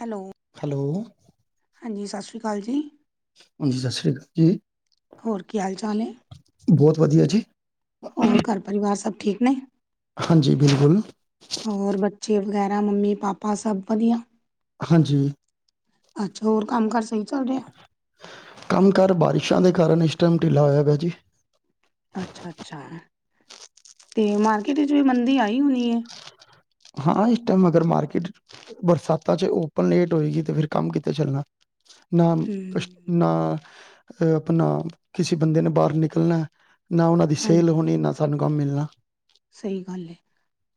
Hello. Hello. ਹਾਂਜੀ, ਸਸ਼੍ਰੀ ਕਾਲ ਜੀ। ਹਾਂਜੀ, ਸਸ਼੍ਰੀ ਕਾ ਜੀ। ਹੋਰ, ਕੀ ਹਾਲ-ਚਾਲ ਨੇ? ਬੋਤ ਵਦੀਆ ਜੀ। ਔਰ, ਘਰ ਪਰਿਵਾਰ ਸਬ ਠੀਕ ਨੇ? ਹਾਂਜੀ, ਬਿਲਕੁਲ। ਹੋਰ, ਬੱਚੇ ਵਗੈਰਾ ਮੰਮੀ-ਪਾਪਾ ਸਬ ਬਧੀਆ? ਹਾਂਜੀ। ਅੱਛ, ਹੋਰ ਕੰਮ-ਕਾਰ ਸਈ ਚਲ ਰੇਐ? ਕੰਮ ਕਾਰ ਬਾਰਿਸ਼ਾਂ ਦੇ ਕਾਰਨ ਇਸ਼ ਟੈਮ ਢਿਲਾ ਹੋਏਆ ਏਆ ਜੀ। ਅੱਛਾ-ਅੱਛਾ, ਤੇ ਮਾਰਕੀਟ ਇਚ ਵੀ ਮੰਦੀ ਆਈ ਹੋਈ ਐ? ਹਾਂ, ਇਸ ਟੈਮ ਅਗਰ ਮਾਰਕੀਟ ਬਰਸਾਤਾਂ ਚ ਓਪਨ ਲੇਟ ਹੋਏਗੀ ਤੇ ਫੇਰ ਕੰਮ ਕਿਤੇ ਚਲਣੈ। ਨਾਮ ਹਮ [unintelligible] ਨਾ, ਅ ਅਪਣਾ ਕਿਸੀ ਬੰਦੇ ਨੇ ਬਾਹਰ ਨਿਕਲਨੈ। ਨਾ ਓਨਾਂ ਦੀ ਸੇਲ ਹੋਨੀ, ਨਾ ਸਾਨੂੰ ਕੰਮ ਮਿਲਣਾ। ਸੲੀ ਗੱਲ ੲੇ,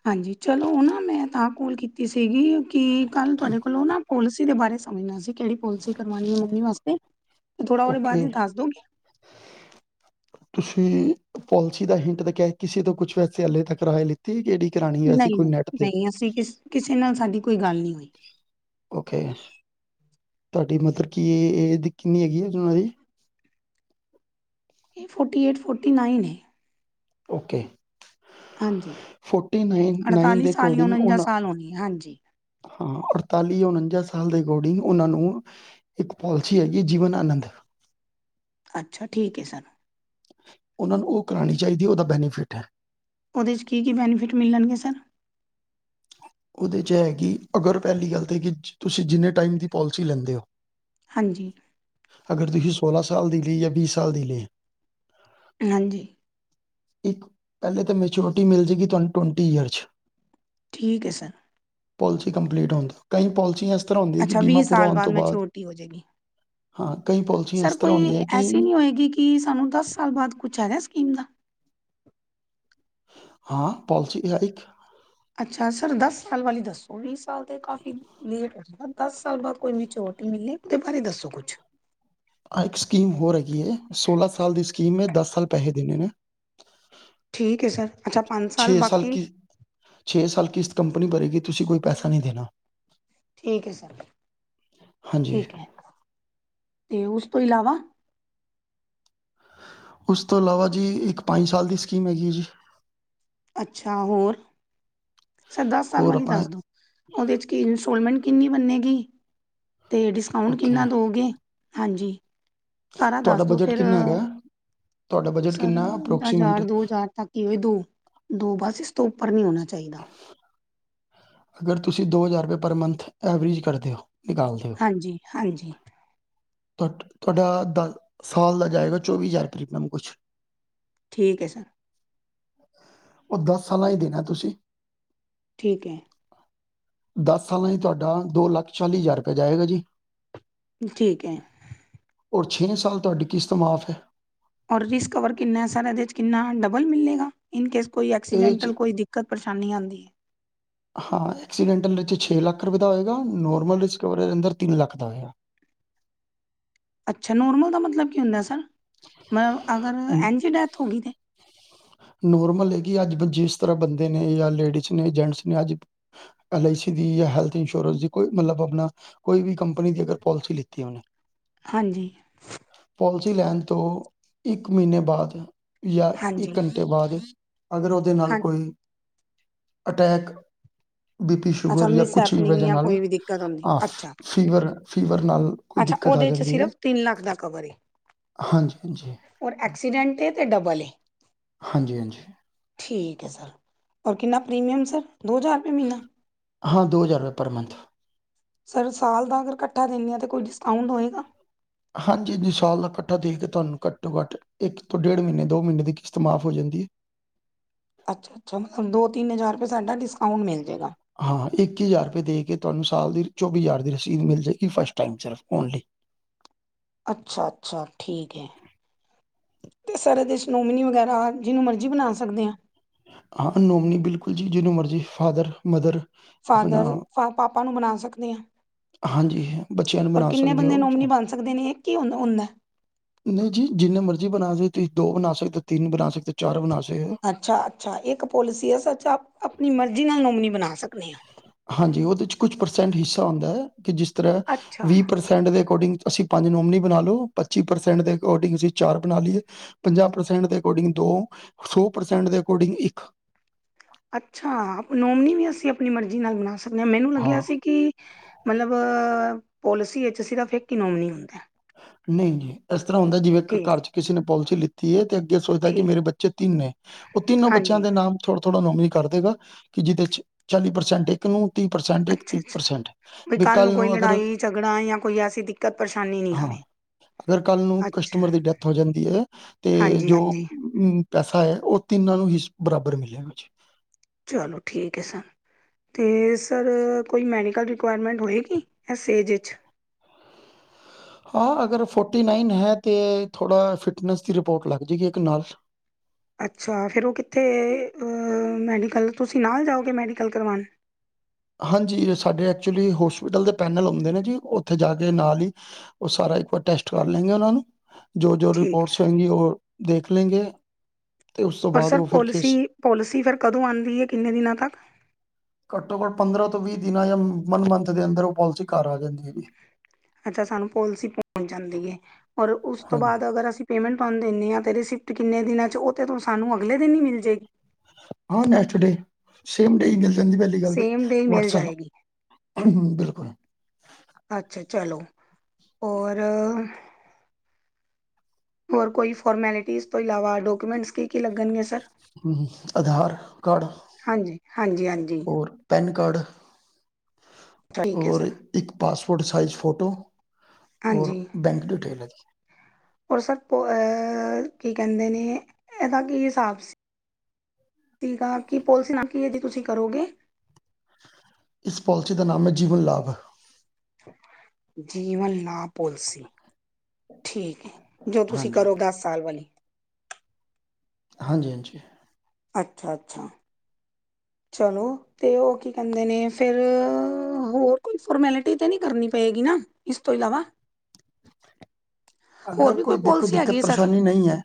ਹਾਂਜੀ, ਚਲੋ, ਓਨਾ ਮੈਂ ਤਾਂ ਕੋਲ ਕੀਤੀ ਸੀਗੀ ਕਿ ਕੱਲ੍ਹ ਤੁਹਾਡੇ ਕੋਲੋਂ ਨਾ ਪੋਲਿਸੀ ਦੇ ਬਾਰੇ ਸਮਝਣਾ ਸੀ, ਕਿਹੜੀ ਪੋਲਸੀ ਕਰਵਾਉਣੀ ਹੈ ਮੰਮੀ ਵਾਸਤੇ? ਥੋੜ੍ਹਾ ਓਦੇ ਬਾਰੇ ਓਕੇ ਦੱਸ ਦੋਗੇ? ਤੁਸੀਂ ਪੋਲਸੀ ਦਾ ਹਿੰਟ ਦਾ ਕਿਆ ੲੇ, ਕਿਸੇ ਤੋਂ ਕੁਛ ਵੈਸੇ ਹਾਲੇ ਤੱਕ ਕਰਾ ਏ ਲਿ ਤੇ ਕਿਹੜੀ ਕਰਾਣੀ ਐਸੀਂ ਨਹੀਂ ਕੋਈ ਨੈੱਟ ਨਹੀਂ ਤੇ। ਨਹੀਂ ਅਸੀਂ ਕਿਸ ਕਿਸੇ ਨਾਲ ਸਾਡੀ ਕੋਈ ਗੱਲ ਨੀਂ ਹੋਈ। ਓਕੇ, ਤੁਹਾਡੀ ਮਦਰ ਕੀ ਏਜ ਦੀ, ਕਿੰਨੀ ਹੈਗੀ ਹੈ ਏ ਉਹਨਾਂ ਦੀ? ਏ ਫੋਟੑਟੀ ਏਟ, ਫੋਟੑਟੀ ਨਾਈਨ ਏ। ਓਕੇ। ਹਾਂਜੀ ਫੋਟੑਟੀ ਨਾਈਨ, ਨਾਈਨ ਅੜਤਾਲੀ ਦੇ ਸਾਲ ਜਾਂ ਐਕੋਰਡਿੰਗ ਉਣੰਜਾ ਓਨਾਂ ਸਾਲ ਹੋਣੀ ਹੈ ਹਾਂਜੀ ਹਾਂ, ਅੜਤਾਲੀ ਉਨੰਜਾ ਸਾਲ ਦੇ ਅਕੋਰਡਿੰਗ ਓਨਾਂ ਨੂੰ ਇਕ ਪੋਲਸੀ ਹੈਗੀ ਜੀਵਨ ਆਨੰਦ। ਅੱਛਾ, ਠੀਕ ਏ ਸਰ। ਓਨਾਂ ਨੂੰ ਓ ਕਰਾਣੀ ਚਾਈਦੀ ਓਦਾ ਬੈਨੀਫਿਟ ਐ। ਓਦੇ ਚ ਕੀ-ਕੀ ਬੈਨੀਫਿਟ ਮਿਲਨਗੇ ਸਰ? ਓਦੇ ਚ ਐਅ ਕਿ, ਅਗਰ ਪ੍ਹੈਲੀ ਗਲ ਤੇ ਕਿ ਤੂਸੀ ਜਿੰਨੇ ਟਾਈਮ ਦੀ ਪੋਲਸੀ ਲੈਂਦੇ ਓ ਹਾਂਜੀ। ਅਗਰ ਤੂਸੀ ਸੋਲਾ ਸਾਲ ਦੀ ਲਈ ਐ ਵੀਹ ਸਾਲ ਦੀ ਲਈ ਹਾਂਜੀ। ਇੱਕ, ਪਹਿਲੇ ਤੇ ਮੈਚੋਰਟੀ ਮਿਲ ਜੇਗੀ ਤੁਹਾਨੂੰ ਟਵੰਟੀ ਯੀਅਰ 'ਚ। ਠੀਕ ਹੈ, ਸਰ। ਪਾਲਿਸੀ ਕੰਪਲੀਟ ਹੋਣ ਦੋ। ਕਈ ਪਾਲਿਸੀਆਂ ਤਰ੍ਹਾਂ ਹੁੰਦੀਆਂ ਕਿ ਅੱਛਾ, ਬੀਮਾ ਵੀਹ ਪੂਰਾ ਸਾਲ ਹੋਣ ਬਾਅਦ ਤੋਂ ਮਚੁਰਟੀ ਹੋ ਜਾਏਗੀ। ਹਾਂ ਕਈ ਪਾਲਿਸੀਆਂ ਸਰ ਇਸ ਤਰ੍ਹਾਂ ਕੋਈ ਹੁੰਦੀਆਂ ਕਿ ਐਸੀ ਨਹੀਂ ਹੋਏਗੀ ਕਿ ਸਾਨੂੰ ਦੱਸ ਸਾਲ ਬਾਅਦ, ਕੁਝ ਹੈਗਾ ਸਕੀਮ ਦਾ? ਹਾਂ, ਪਾਲਿਸੀ, ਇਹ ਹੈ ਇੱਕ। ਅੱਛਾ, ਸਰ ਦੱਸ ਸਾਲ ਵਾਲੀ ਦੱਸੋਂ? ਵੀਹ ਸਾਲ ਤੇ ਕਾਫ਼ੀ ਲੇਟ। ਮਤਲਬ ਦੱਸ ਸਾਲ ਬਾਅਦ ਕੋਈ ਮਚੁਰਟੀ ਮਿਲਣੀ, ਉਹਦੇ ਬਾਰੇ ਦੱਸੋ ਕੁਝ ਆਹ ਇੱਕ ਸਕੀਮ ਹੋਰ ਹੈਗੀ ਹੈ। ਸੋਲਾਂ ਸਾਲ ਦੀ ਸਕੀਮ ਹੈ। ਦੱਸ ਸਾਲ ਪੈਸੇ ਦੇਣੇ ਨੇ। ਠੀਕ ਹੈ ਸਰ, ਅੱਛਾ ਪੰਜ ਸਾਲ ਛੇ ਬਾਕੀ। ਕੀ ਛੇ ਸਾਲ ਕਿਸ਼ਤ ਕੰਪਨੀ ਭਰੇਗੀ, ਤੁਸੀਂ ਕੋਈ ਪੈਸਾ ਨਹੀਂ ਦੇਣਾ। ਠੀਕ ਹੈ ਸਰ, ਹਾਂਜੀ ਠੀਕ ਹੈ ‌ਤੇ ਉਸ ਤੋਂ ਇਲਾਵਾ। ਉਸ ਤੋਂ ਇਲਾਵਾ ਜੀ, ਇੱਕ ਪੰਜ ਸਾਲ ਦੀ ਸਕੀਮ ਹੈਗੀ ਹੈ ਜੀ। ਅੱਛਾ ਹੋਰ, ਸਰ ਦੱਸ ਸਾਲ ਹੋਰ ਵਾਲੀ ਆਪਣਾ ਦੱਸ ਦੋ। ਉਹਦੇ 'ਚ ਕੀ ਇੰਸਟਾਲਮੈਂਟ ਕਿੰਨੀ ਬੰਨੇਗੀ ਤੇ ਡਿਸਕਾਊਂਟ ਓਕੇ ਕਿੰਨਾ ਦੋਗੇ? ਹਾਂਜੀ। ਸਾਰਾ ਦੱਸ ਤੁਹਾਡਾ ਦੋ ਬਜਟ ਫਿਰ, ਕਿੰਨਾ ਹੈਗਾ ਤੁਹਾਡਾ ਬਜਟ ਸਰ ਕਿੰਨਾ ਅਪਰੋਕਸੀਮੇਟ ਹਜ਼ਾਰ ਦੋ ਹਜ਼ਾਰ ਤੱਕ ਕਿਵੇਂ ਦੋ, ਦੋ ਬੱਸ, ਇਸ ਤੋਂ ਉੱਪਰ ਨਹੀਂ ਹੋਣਾ ਚਾਹੀਦਾ। ਅਗਰ ਤੁਸੀਂ ਦੋ ਹਜ਼ਾਰ ਰੁਪਏ ਪਰ ਮੰਥ ਐਵਰੇਜ ਕਰਦੇ ਹੋ। ਨਿਕਾਲਦੇ ਹੋ ਹਾਂਜੀ-ਹਾਂਜੀ। ਤੁਹਾਡਾ ਦੱਸ ਸਾਲ ਦਾ ਜਾਏਗਾ ਚੌਵੀ ਹਜ਼ਾਰ ਤਕਰੀਬਣ [unintelligible] ਕੁਝ। ਠੀਕ ਹੈ, ਸਰ। ਉਹ ਦੱਸ ਸਾਲਾਂ ਹੀ ਦੇਣਾ ਤੁਸੀਂ। ਠੀਕ ਹੈ। ਦੱਸ ਸਾਲਾਂ 'ਚ ਤੁਹਾਡਾ, ਦੋ ਲੱਖ ਚਾਲੀ ਹਜ਼ਾਰ ਰੁਪਏ ਜਾਏਗਾ ਜੀ। ਠੀਕ ਹੈ। ਔਰ ਛੇ ਸਾਲ ਤੁਹਾਡੀ ਕਿਸ਼ਤ ਮਾਫ਼ ਹੈ। ਔਰ ਰਿਸਕ [unintelligible] ਕਵਰ ਕਿੰਨਾ, ਸਾਰਾ ਇਹਦੇ 'ਚ ਕਿੰਨਾ, ਡਬਲ ਮਿਲੇਗਾ? ਇੰਕੇਸ ਕੋਈ ਇਹਦੇ ਚ ਐਕਸੀਡੈਂਟਲ, ਕੋਈ ਦਿੱਕਤ ਪਰੇਸ਼ਾਨੀ ਆਉਂਦੀ ਹੈ। ਹਾਂ, ਐਕਸੀਡੈਂਟਲ ਵਿੱਚ ਛੇ ਲੱਖ ਰੁਪਏ ਦਾ ਹੋਏਗਾ, ਨੌਰਮਲ ਵਿੱਚ ਕਵਰ ਇਦੇ ਅੰਦਰ ਤਿੰਨ ਲੱਖ ਦਾ ਹੋਏਗਾ। ਅੱਛਾ ਨੋਰਮਲ ਦਾ ਮਤਲਬ ਕੀ ਹੁੰਦਾ ਸਰ ਮ ਅਗਰ ਏਂਜ ਹੀ ਡੈਥ ਹੋ ਗਈ ਦੀ ਨੋਰਮਲ ਹੈ ਕਿ ਅੱਜ ਬੱਚੇ ਇਸ ਤਰ੍ਹਾਂ ਬਨਦੇ ਨੇ, ਜਾਂ ਲੇਡੀਜ਼ ਨੇ ਜੈਂਟਸ ਨੇ ਅੱਜ ਐਲ ਆਈ ਸੀ ਦੀ ਜਾਂ ਹੈਲਥ ਇੰਸ਼ੋਰੈਂਸ ਦੀ ਕੋਈ ਮਤਲਬ ਅਪਣਾ ਕੋਈ ਵੀ ਕੰਪਨੀ ਦੀ ਅਗਰ ਪੋਲਿਸੀ ਲਿੱਤੀ ਏ ਹੁਣ ਹਾਂਜੀ। ਪੋਲਿਸੀ ਲੈਣ ਤੋਂ ਇੱਕ ਮਹੀਨੇ ਬਾਦ ਜਾਂ ਹਾਂਜੀ ਇੱਕ ਘੰਟੇ ਬਾਦ ਅਗਰ ਉਹਦੇ ਨਾਲ ਹਾਂ ਕੋਈ ਅਟੈਕ ਬੀ ਪੀ, ਅੱਛਾ ਸ਼ੂਗਰ, ਜਾਂ ਮਿਸ ਕੁਛ ਵੀ ਹੈਪਨਿੰਗ ਵਜ੍ਹਾ ਜਾਂ ਨਾਲ ਕੋਈ ਵੀ ਦਿੱਕਤ ਹੁੰਦੀ ਆ ਅੱਛਾ ਫੀਵਰ, ਫੀਵਰ ਨਾਲ ਕੋਈ ਅੱਛਾ, ਦਿੱਕਤ ਆ ਉਹਦੇ 'ਚ ਜਾਂਦੀ ਹੈ ਸਿਰਫ਼ ਤਿੰਨ ਲੱਖ ਦਾ ਕਵਰ ਹੈ। ਹਾਂਜੀ ਹਾਂਜੀ ਔਰ ਐਕਸੀਡੈਂਟ ਏ ਤੇ ਡਬਲ ਏ। ਹਾਂਜੀ-ਹਾਂਜੀ। ਠੀਕ ਹੈ, ਸਰ। ਔਰ ਕਿੰਨਾ ਪ੍ਰੀਮੀਅਮ ਸਰ, ਦੋ ਹਜ਼ਾਰ ਰੁਪਏ ਮਹੀਨਾ? ਹਾਂ, ਦੋ ਹਜ਼ਾਰ ਰੁਪਏ ਪਰ ਮੰਥ। ਸਰ ਸਾਲ ਦਾ ਅਗਰ ਇਕੱਠਾ ਦਿੰਦੇ ਹਾਂ ਤਾਂ ਕੋਈ ਡਿਸਕਾਊਂਟ ਹੋਏਗਾ? ਹਾਂਜੀ ਜੀ, ਸਾਲ ਦਾ ਇਕੱਠਾ ਦੇ ਕੇ ਤੁਹਾਨੂੰ ਘੱਟੋ-ਘੱਟ ਇੱਕ ਤੋਂ ਡੇਢ ਮਹੀਨੇ, ਦੋ ਮਹੀਨੇ ਦੀ ਕਿਸ਼ਤ ਮਾਫ਼ ਹੋ ਜਾਂਦੀ ਹੈ। ਅੱਛਾ-ਅੱਛਾ ਮਤਲਬ ਦੋ-ਤਿੰਨ ਹਜ਼ਾਰ ਰੁਪਏ ਸਾਡਾ ਡਿਸਕਾਊਂਟ ਮਿਲ ਜਾਏਗਾ। ਹਾਂ, ਇੱਕੀ ਹਜ਼ਾਰ ਰੁਪਏ ਦੇ ਕੇ ਤੁਹਾਨੂੰ ਸਾਲ ਦੀ ਚੌਵੀ ਹਜ਼ਾਰ ਦੀ ਰਸੀਦ ਮਿਲ ਜਾਏਗੀ, ਫਸਟ ਟਾਈਮ ਸਿਰਫ਼ ਓਨਲੀ। ਅੱਛਾ-ਅੱਛਾ, ਠੀਕ ਹੈ। ਇਸ ਦੇ ਵਿਚ ਨੋਮਮੀ ਵਗੈਰਾ ਜਿਹਨੂੰ ਮਰਜੀ ਬਣਾ ਸਕਦੇ ਹਾਂ। ਹਾਂ ਨੋਮਨੀ ਬਿਲਕੁਲ ਜੀ ਜਿਹਨੂੰ ਮਰਜ਼ੀ ਫਾਦਰ, ਮਦਰ ਆਪਣਾ ਫਾਦਰ, ਪਾਪਾ ਨੂੰ ਬਣਾ ਸਕਦੇ ਹਾਂ। ਹਾਂਜੀ ਬੱਚਿਆਂ ਨੂੰ ਹੋਰ ਬਣਾ ਕਿੰਨੇ ਸਕਦੇ ਬੰਦੇ ਹੋ ਨੋਮਨੀ ਬਣ ਸਕਦੇ ਨੇ, ਇਕ ਹੀ ਹੁੰਦਾ। ਨਹੀਂ ਜੀ ਜਿੰਨੇ ਮਰਜ਼ੀ ਬਣਾ ਸਕਦੇ ਹੋ। ਤੁਸੀਂ ਦੋ ਬਣਾ ਸਕਦੇ, ਤਿੰਨ ਬਣਾ ਸਕਦੇ, ਚਾਰ ਬਣਾ ਸਕਦੇ ਹੋ। ਅੱਛਾ ਅੱਛਾ ਇੱਕ ਪੋਲਿਸੀ ਹੈ ਸਰ ਆਪ ਪਣੀ ਮਰਜ਼ੀ ਨਾਲ ਨੋਮਨੀ ਬਣਾ ਸਕਦੇ ਹਾਂ। ਹਾਂਜੀ ਉਹਦੇ ਚ ਕੁਛ ਪਰਸੈਂਟ ਹਿੱਸਾ ਹੁੰਦਾ ਹੈ ਕਿ ਜਿਸ ਤਰ੍ਹਾਂ ਹਾਂ ਅੱਛਾ ਵੀਹ ਪਰਸੈਂਟ ਪ੍ਰਸੈਂਟ ਦੇ ਅਕੋਰਡਿੰਗ ਅਸੀਂ ਪੰਜ ਨੋਮਨੀ ਬਣਾ ਲੋ। ਪੱਚੀ ਪ੍ਰਸੈਂਟ ਦੇ ਅਕੋਰਡਿੰਗ ਅਸੀਂ ਚਾਰ ਬਣਾ ਲਈਏ ਪੰਜਾਂ ਪ੍ਰਸੈਂਟ ਦੇ ਅਕੋਰਡਿੰਗ ਦੋ, ਸੌ ਪ੍ਰਸੈਂਟ ਦੇ ਅਕੋਰਡਿੰਗ ਇੱਕ ਅੱਛਾ ਆਪ ਨੋਮਨੀ ਵੀ ਅਸੀ ਆਪਣੀ ਮਰਜ਼ੀ ਨਾਲ ਬਣਾ ਸਕਦੇ ਹਾਂ। ਮੈਨੂੰ ਲੱਗਿਆ ਹਾਂ। ਸੀ ਕਿ ਮਤਲਬ ਪੋਲਿਸੀ ਵਿੱਚ ਸਿਰਫ ਇੱਕ ਹੀ ਨੋਮਨੀ ਹੁੰਦਾ। ਨਹੀਂ ਜੀ, ਇਸ ਤਰ੍ਹਾਂ ਹੁੰਦਾ ਜਿਵੇਂ ਠੀਕ ਘਰ ਚ ਕਿਸੇ ਨੇ ਪੋਲਿਸੀ ਲਿੱਤੀ ਏ ਤੇ ਅੱਗੇ ਸੋਚਦਾ ਕਿ ਠੀਕ ਮੇਰੇ ਬੱਚੇ ਤਿੰਨ ਨੇ, ਉਹ ਤਿੰਨੋ ਬੱਚਿਆਂ ਹਾਂਜੀ ਦੇ ਨਾਮ ਥੋੜਾ ਥੋੜ੍ਹਾ ਨੋਮਨੀ ਕਰ ਦੇਗਾ ਕਿ ਜਿਹਦੇ ਚ ਚਾਲੀ ਪ੍ਰਸੈਂਟ ਇੱਕ ਨੂੰ ਤੀਹ ਪ੍ਰਸੈਂਟ ਇੱਕ ਅੱਛਾ ਤੀਹ ਅੱਛਾ ਪ੍ਰਸੈਂਟ, ਬਈ ਵੀ ਕੱਲ ਕੋਈ ਨੂੰ ਅਗਰ ਲੜਾਈ ਝਗੜਾ ਜਾਂ ਕੋਈ ਐਸੀ ਦਿੱਕਤ ਪਰੇਸ਼ਾਨੀ ਨਹੀਂ ਹਾਂ ਆਵੇ। ਅਗਰ ਕੱਲ ਨੂੰ ਅੱਛਾ ਕਸਟਮਰ ਦੀ ਡੈਥ ਹੋ ਜਾਂਦੀ ਏ, ਤੇ ਹਾਂਜੀ ਜੋ ਹਾਂਜੀ ਪੈਸਾ ਹੈ ਉਹ ਤਿੰਨਾਂ ਨੂੰ ਹੀ ਬਰਾਬਰ ਮਿਲੇਗਾ ਜੀ। ਚਲੋ ਠੀਕ ਏ, ਸਰ। ਤੇ ਸਰ ਕੋਈ ਮੈਡੀਕਲ ਰਿਕੁਆਇਰਮੈਂਟ ਹੋਏਗੀ ਏਸ ਏਜ ਚ ਹਾਂ ਅਗਰ ਫੋਟੀ ਨਾਈਨ ਹੈ, ਤੇ ਥੋੜਾ ਫਿਟਨੈਸ ਦੀ ਰਿਪੋਰਟ ਲੱਗ ਜਾਏਗੀ ਇੱਕ ਨਾਲ ਅੱਛਾ ਫਿਰ ਉਹ ਕਿੱਥੇ ਮੈਡੀਕਲ ਤੁਸੀਂ ਨਾਲ ਜਾਓਗੇ ਮੈਡੀਕਲ ਕਰਵਾਉਣ। ਹਾਂਜੀ ਸਾਡੇ ਐਚੁੱਲੀ ਹੋਸਪਿਟਲ ਦੇ ਪੈਨਲ ਹੁੰਦੇ ਨੇ ਜੀ, ਉੱਥੇ ਜਾ ਕੇ ਨਾਲ ਈ ਉਹ ਸਾਰਾ ਇੱਕ ਵਾਰ ਟੈਸਟ ਕਰ ਲੈਂਗੇ ਉਹਨਾਂ ਨੂੰ ਜੋ ਜੋ ਠੀਕ ਹੈ ਰਿਪੋਰਟਸ ਹੋਏਗੀ ਉਹ ਦੇਖ ਲੈਂਗੇ ਤੇ ਉਸ ਤੋਂ ਔਰ ਬਾਦ ਸਰ ਉਹ ਫਿਰ ਪੋਲਿਸੀ ਕਿਸ ਪੋਲਿਸੀ ਫਿਰ ਕਦੋਂ ਆਉਂਦੀ ਹੈ। ਕਿੰਨੇ ਦਿਨਾਂ ਤੱਕ ਘੱਟੋ ਘੱਟ ਪੰਦਰਾਂ ਤੋਂ ਵੀਹ ਦਿਨਾਂ ਜਾਂ ਵਨ ਮੰਥ ਦੇ ਅੰਦਰ ਉਹ ਪੋਲਿਸੀ ਘਰ ਆ ਜਾਂਦੀ ਹੈ ਜੀ। ਅੱਛਾ ਸਾਨੂੰ ਪੋਲਸੀ ਪਹੁੰਚ ਜਾਂਦੀ ਏ, ਔਰ ਉਸ ਤੋਂ ਹਾਂਜੀ ਬਾਦ ਅਗਰ ਅਸੀ ਪੇਮੈਂਟ ਤੁਹਾਨੂੰ ਦਿੰਦੇ ਹਾਂ ਤੇ ਰ ਰਿਿਸਿਪਟ ਕਿੰਨ ਦਿਨਾਂ 'ਚ ਉਹ ਤੇ ਸਾਨੂੰ ਅਗਲੇ ਦਿਨ ਹੀ ਮਿਲ ਜਾਏਗੀ ਹਾਂ ਨੈਕਸਟ ਡੇ ਸੇਮ ਡੇ ਮਿਲ ਪਹਿਲੀ ਗੱਲ ਤੇ ਸੇਮ ਡੇ ਮਿਲ ਵਟਸ ਜਾਏਗੀ ਬਿਲਕੁਲ ਅੱਛਾ ਚਲੋ ਹੋਰ ਹੋਰ ਕੋਈ ਫੋਰਮੈਲਿਟੀਜ਼ ਤੋਂ ਇਲਾਵਾ ਡਾਕੂਮੈਂਟਸ ਕੀ ਕੀ ਲੱਗਣਗੇ ਸਰ ਹਮ ਆਧਾਰ ਕਾਰਡ ਹਾਂਜੀ ਹਾਂਜੀ ਹਾਂਜੀ ਹੋਰ ਪੈਨ ਕਾਰਡ ਠੀਕ ਹੈ ਔਰ ਸਰ ਇੱਕ ਪਾਸਪੋਰਟ ਸਾਈਜ਼ ਫੋਟੋ ਔਰ ਹਾਂਜੀ ਬੈਂਕ ਡਿਟੇਲ ਹੈਗੀ ਔਰ ਸਰਭ ਕੀ ਕਹਿੰਦੇ ਨੇ ਇਹਦਾ ਕੀ ਹਿਸਾਬ ਸੀ ਠੀਕ ਆ ਕੀ ਪੋਲਿਸੀ ਨਾ ਕੀ ਹੈ ਜ ਤੁਸੀਂ ਕਰੋਗੇ ਇਸ ਪੋਲਿਸੀ ਦਾ ਨਾਮ ਹੈ ਜੀਵਨ ਲਾਭ ਜੀਵਨ ਲਾਭ ਪੋਲਸੀ ਠੀਕ ਹੈ ਜੋ ਤੁਸੀਂ ਹਾਂਜੀ ਕਰੋ ਦਸ ਸਾਲ ਵਾਲੇ ਹਾਂਜੀ ਹਾਂਜੀ। ਅੱਛਾ ਅੱਛਾ। ਚਲੋ ਤੇ ਉਹ ਕੀ ਕਹਿੰਦੇ ਨੇ ਫੇਰ ਹੋਰ ਕੋਈ ਫੋਰਮੈਲਿਟੀ ਤੇ ਨਹੀਂ ਕਰਨੀ ਪਏਗੀ ਨਾ। ਇਸ ਤੋਂ ਇਲਾਵਾ। ਹੋਰ ਅਗਰ ਵੀ ਕੋਈ ਦੇਖੋ ਪੋਲਿਸੀ ਹੈਗੀ ਦਿੱਕਤ ਏ ਸਰ, ਪਰੇਸ਼ਾਨੀ ਨਹੀਂ ਹੈ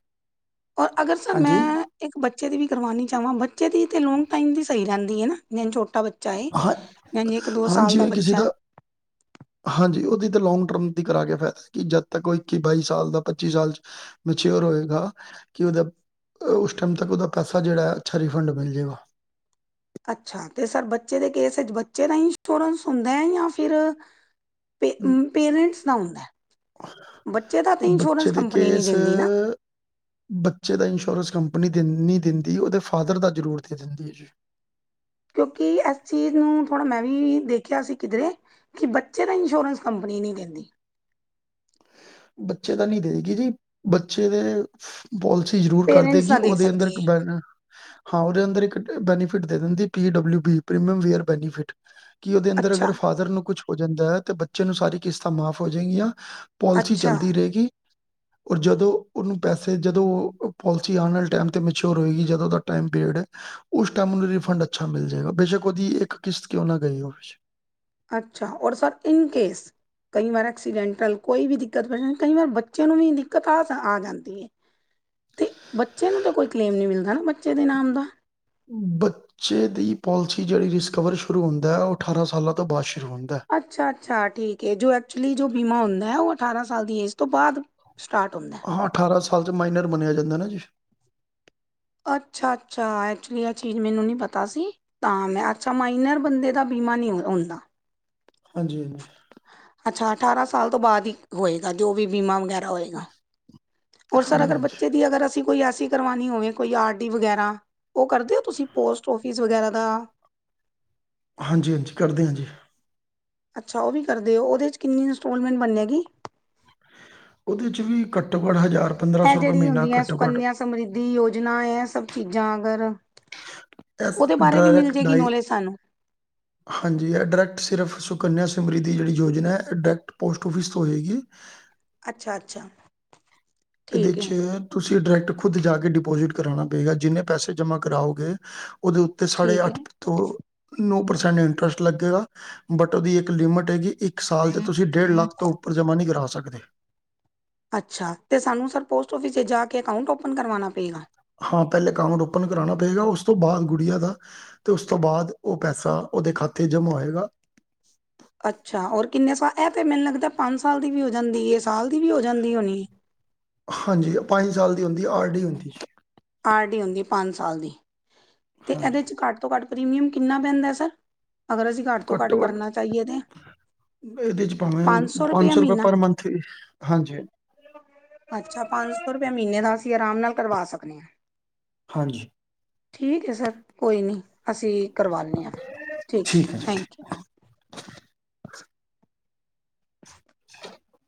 ਔਰ ਅਗਰ ਸਰ ਹਾਂਜੀ ਮੈਂ ਇੱਕ ਬੱਚੇ ਦੀ ਵੀ ਕਰਵਾਨੀ ਚਾਹਵਾਂ, ਬੱਚੇ ਦੀ ਤੇ ਲੋਂਗ ਟਾਈਮ ਦੀ ਸਹੀ ਰਹਿੰਦੀ ਹੈ ਨਾ, ਜਿਵੇਂ ਛੋਟਾ ਬੱਚਾ ਹਾਂ ਜਿਂਝ ਇੱਕ ਦੋ ਹਾਂ ਸਾਲ ਦਾ ਜਿਵੇਂ ਕਿਸੇ ਬੱਚਾ ਏ। ਹਾਂਜੀ ਉਹਦੀ ਤਾਂ ਲੋਂਂਗ ਟਰਮ ਦੀ ਕਰਾ ਕੇ ਫਾਇਦਾ ਕਿ ਜਦ ਤੱਕ ਉਹ ਇੱਕੀ, ਬਾਈ ਸਾਲ ਦਾ ਪੱਚੀ ਸਾਲ ਚ ਮੈਚਿਓਰ ਹੋਏਗਾ ਕਿ ਉਹਦਾ ਅ, ਉਸ ਟਾਈਮ ਤੱਕ ਉਹਦਾ ਪੈਸਾ ਜਿਹੜਾ ਅੱਛਾ ਰਿਫੰਡ ਮਿਲ ਜੇਗਾ। ਅੱਛਾ। ਤੇ ਸਰ, ਬੱਚੇ ਦੇ ਕੇਸ ਵਿਚ ਬੱਚੇ ਦਾ ਹੀ ਇੰਸ਼ੋਰੈਂਸ ਹੁੰਦਾ ਹੈ ਜਾਂ ਫਿਰ ਪੇਰੈਂਟਸ ਦਾ ਹੁੰਦਾ, ਬੱਚੇ ਦਾ ਤੇ ਇੰਸ਼ੋਰੈਂਸ ਬੱਚੇ ਦੇ ਕੰਪਨੀ ਨਹੀਂ ਕੇਸ ਦਿੰਦੀ ਨਾ। ਬੱਚੇ ਦਾ ਇੰਸ਼ੋਰੈਂਸ ਕੰਪਨੀ ਦੇ ਨਹੀ ਦਿੰਦੀ, ਉਹਦੇ ਫਾਦਰ ਦਾ ਜ਼ਰੂਰ ਦੇ ਦਿੰਦੀ ਏ ਜੀ। ਕਿਉਂਕਿ ਇਸ ਚੀਜ਼ ਨੂੰ ਥੋੜ੍ਹਾ ਮੈਂ ਵੀ ਦੇਖਿਆ ਸੀ ਕਿਧਰੇ ਕਿ ਬੱਚੇ ਦਾ ਇੰਸ਼ੋਰੈਂਸ ਕੰਪਨੀ ਨਹੀਂ ਕਹਿੰਦੀ ਬੱਚੇ ਤਾਂ ਨਹੀਂ ਦੇਗੀ ਜੀ ਬੱਚੇ ਦੇ ਪੋਲਿਸੀ ਜ਼ਰੂਰ ਕਰ ਦੇਗੀ ਉਹਦੇ ਅੰਦਰ ਬ ਹਾਂ ਉਹਦੇ ਅੰਦਰ ਇੱਕ ਬੈਨੀਫਿਟ ਦੇ ਦਿੰਦੀ P W B premium waiver benefit ਕਿ ਉਹਦੇ ਅੰਦਰ ਅਗਰ ਫਾਦਰ ਨੂੰ ਕੁਛ ਹੋ ਜਾਂਦਾ ਹੈ ਤਾਂ ਬੱਚੇ ਨੂੰ ਸਾਰੀ ਕਿਸ਼ਤਾਂ ਮਾਫ਼ ਹੋ ਜਾਏਗੀਆਂ ਪੋਲਿਸੀ ਚਲਦੀ ਰਹੇਗੀ ਔਰ ਜਦੋਂ ਉਹਨੂੰ ਪੈਸੇ ਜਦੋਂ ਉਹ ਪੋਲਿਸੀ ਆਉਣ ਵਾਲੇ ਟਾਈਮ 'ਤੇ ਮਚਿਓਰ ਹੋਏਗੀ ਜਦੋਂ ਉਹਦਾ ਟਾਈਮ ਪੀਰੀਅਡ ਹੈ ਉਸ ਟਾਈਮ ਨੂੰ ਰਿਫੰਡ ਅੱਛਾ ਮਿਲ ਜਾਏਗਾ ਬੇਸ਼ੱਕ ਉਹਦੀ ਇੱਕ ਕਿਸ਼ਤ ਕਿਉਂ ਨਾ ਗਈ ਉਹ ਅੱਛਾ ਔਰ ਸਰ ਇਨ ਕੇਸ ਕਈ ਵਾਰ ਐਕਸੀਡੈਂਟਲ ਕੋਈ ਵੀ ਦਿੱਕਤ ਬ ਜਾਂਦੀ ਕਈ ਵਾਰ ਬੱਚੇ ਨੂੰ ਵੀ ਦਿੱਕਤ ਆ ਆ ਜਾਂਦੀ ਤੇ ਬੱਚੇ ਨੂੰ ਤਾਂ ਕੋਈ ਕਲੇਮ ਨੀ ਮਿਲਦਾ ਨਾ ਬੱਚੇ ਦੇ ਨਾਮ ਦਾ [unintelligible] ਬੱਚੇ ਦੀ ਪੋਲਿਸੀ ਜਿੜੀ ਰਿਸਕਵਰ ਸ਼ੁਰੂ ਹੁੰਦਾ ਹੈ ਉਹ ਅਠਾਰਾਂ ਸਾਲਾਂ ਤੋਂ ਬਾਅਦ ਸ਼ੁਰੂ ਹੁੰਦਾ ਹੈ ਅੱਛਾ ਅੱਛਾ ਠੀਕ ਹੈ ਜੋ ਐਕਚੁਲੀ ਜੋ ਬੀਮਾ ਹੁੰਦਾ ਹੈ ਉਹ ਅਠਾਰਾਂ ਸਾਲ ਦੀ ਏ ਇਸ ਤੋਂ ਬਾਅਦ ਸਟਾਰਟ ਹੁੰਦਾ ਹੈ। ਹਾਂ ਅਠਾਰਾਂ ਸਾਲ ਚ ਮਾਈਨਰ ਮੰਨਿਆ ਜਾਂਦਾ ਨਾ ਜੀ ਅੱਛਾ ਅੱਛਾ ਐਕਚੁਲੀ ਆਹ ਚੀਜ਼ ਮੈਨੂੰ ਨਹੀਂ ਪਤਾ ਸੀ ਤਾਂ ਮੈਂ ਅੱਛਾ ਮਾਈਨਰ ਬੰਦੇ ਦਾ ਬੀਮਾ ਨਹੀਂ ਹੁੰਦਾ ਹਾਂਜੀ ਹਾਂਜੀ ਅੱਛਾ ਅਠਾਰਾਂ ਸਾਲ ਤੋਂ ਬਾਅਦ ਹੀ ਹੋਏਗਾ ਜੋ ਵੀ ਬੀਮਾ ਵਗੈਰਾ ਹੋਏਗਾ ਰ ਸਰ ਹਾਂਜੀ, ਅਗਰ ਹਾਂਜੀ। ਬੱਚੇ ਦੀ ਅਗਰ ਅਸੀਂ ਕੋਈ ਐਸੀ ਕਰਵਾਉਣੀ ਹੋਵੇ ਕੋਈ ਆਰ ਡੀ ਵਗੈਰਾ ਉਹ ਕਰਦੇ ਹੋ ਤੁਸੀਂ ਪੋਸਟ ਔਫਿਸ ਵਗੈਰਾ ਦਾ ਹਾਂਜੀ ਹਾਂਜੀ ਕਰਦੇ ਹਾਂ ਜੀ ਅੱਛਾ ਉਹ ਵੀ ਕਰ ਦਿਓ ਉਹਦੇ 'ਚ ਕਿੰਨੀ ਇੰਸਟੋਲਮੈਂਟ ਬਣੇਗੀ ਉਹਦੇ ਚ ਵੀ ਘੱਟੋ ਘੱਟ ਹਜ਼ਾਰ ਪੰਦਰਾਂ ਸੌ ਰੁਪਏ ਮਹੀਨਾ ਘੱਟੋ ਘੱਟ ਸਮਰਿਧੀ ਯੋਜਨਾ ਹੈ ਸਭ ਚੀਜ਼ਾਂ ਅਗਰ ਇਸ ਓਹਦੇ ਬਾਰੇ ਵੀ ਮਿਲ ਡਾਇਰੈਕਟ ਜਾਏਗੀ ਡਾਈ ਨੌਲੇਜ ਸਾਨੂੰ ਹਾਂਜੀ, ਏਹ ਡਾਇਰੈਕਟ ਸਿਰਫ ਸੁਕੰਨਿਆ ਸਿਮਰੀਧੀ ਜਿਹੜੀ ਯੋਜਨਾ ਹੈ ਡਾਇਰੈਕਟ ਪੋਸਟ ਔਫਿਸ ਤੋਂ ਹੋਏਗੀ ਅੱਛਾ-ਅੱਛਾ। ਇਹਦੇ 'ਚ ਤੁਸੀਂ ਡਾਇਰੈਕਟ ਖੁਦ ਜਾ ਕੇ ਡਿਪੋਜਿਟ ਕਰਾਉਣਾ ਪਏਗਾ, ਜਿੰਨੇ ਪੈਸੇ ਜਮ੍ਹਾਂ ਕਰਾਓਗੇ ਉਹਦੇ ਉੱਤੇ ਸਾਡੇ- ਠੀਕ ਅੱਠ ਤੋਂ ਨੌ ਪ੍ਰਸੈਂਟ ਇੰਟਰਸਟ ਲੱਗੇਗਾ, ਬਟ ਉਹਦੀ ਇੱਕ ਲਿਮਟ ਹੈਗੀ। ਇੱਕ ਸਾਲ 'ਚ ਹੈ ਤੁਸੀਂ ਡੇਢ ਲੱਖ ਤੋਂ ਉੱਪਰ ਜਮ੍ਹਾਂ ਨਹੀਂ ਕਰਾ ਸਕਦੇ। ਅੱਛਾ, ਤੇ ਸਾਨੂੰ ਸਰ ਪੋਸਟ ਔਫਿਸ 'ਚ ਜਾ ਕੇ ਅਕਾਊਂਟ ਓਪਨ ਕਰਵਾਨਾ ਪਏਗਾ। ਹਾਂ ਪਹਿਲੇ ਅਕਾਊਟ ਓਪਨ ਕਰਾਣਾ ਪਏਗਾ, ਉਸ ਤੋਂ ਬਾਅਦ ਗੁੜੀਆ ਦਾ ਤੇ ਉਸ ਤੋਂ ਬਾਅਦ ਉਹ ਪੈਸਾ ਉਹਦੇ ਖਾਤੇ ਜਮਾ ਹੋਏਗਾ ਅੱਛਾ ਔਰ ਕਿੰਨੇ ਸਾਲ ਇਹ ਤਾਂ ਮੈਨੂੰ ਲੱਗਦਾ ਪੰਜ ਸਾਲ ਦੀ ਵੀ ਹੋ ਜਾਂਦੀ ਸਾਲ ਦੀ ਵੀ ਹੋ ਜਾਂਦੀ ਹੋਣੀ ਹਾਂਜੀ ਪੰਜ ਸਾਲ ਦੀ ਹੁੰਦੀ ਆਰ ਡੀ ਹੁੰਦੀ ਆਰ ਡੀ ਹੁੰਦੀ ਹੈ ਪੰਜ ਸਾਲ ਦੀ ਤੇ ਹਾਂਜੀ ਇਹਦੇ ਚ ਘੱਟ ਘੱਟ ਪ੍ਰੀਮੀਅਮ ਕਿੰਨਾ ਪੈਂਦਾ ਸਰ ਅਗਰ ਅਸੀਂ ਘੱਟ ਤੋਂ ਘੱਟ ਭਰਨਾ ਚਾਹੀਏ ਤਾਂ ਇਹਦੇ ਚ ਭਾਵੇਂ ਪੰਜ ਸੌ ਰੁਪਏ ਮਹੀਨਾ ਪਰ ਮੰਥ ਹਾਂਜੀ ਅੱਛਾ ਪੰਜ ਸੌ ਰੁਪਆ ਮਹੀਨੇ ਦਾ ਅਸੀਂ ਆਰਾਮ ਨਾਲ ਕਰਵਾ ਸਕਦੇ ਹਾਂ ਹਾਂਜੀ ਠੀਕ ਹੈ ਸਰ ਕੋਈ ਨਹੀਂ ਅਸੀਂ ਕਰਵਾਉਦੇ ਹਾਂ ਠੀਕ ਥੈਂਕ ਯੂ [unintelligible] [unintelligible]